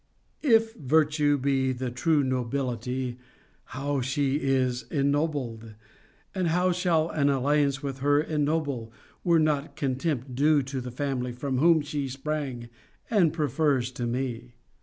If virtue be the true nobility, how is she ennobled, and how shall an alliance with her ennoble, were not contempt due to the family from whom she sprang and prefers to me!